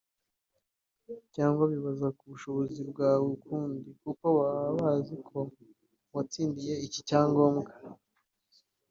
cyangwa bibaza ku bushobozi bwawe ukundi kuko baba bazi ko watsindiye iki cyangombwa